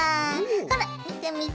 ほらみてみて！